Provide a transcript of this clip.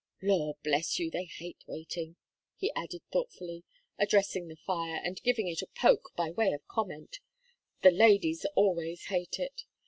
Law, bless you! they hate waiting," he added, thoughtfully, addressing the fire, and giving it a poke, by way of comment, "the ladies always hate it.